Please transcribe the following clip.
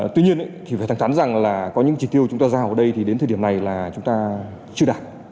tuy nhiên thì phải thẳng thắn rằng là có những chỉ tiêu chúng ta giao ở đây thì đến thời điểm này là chúng ta chưa đạt